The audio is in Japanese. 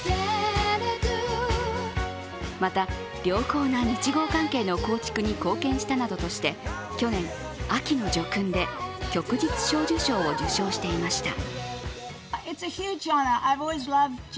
また、良好な日豪関係の構築に貢献したなどとして去年、秋の叙勲で旭日小綬章を受章していました。